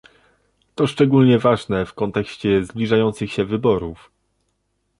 To szczególnie ważne w kontekście zbliżających się wyborów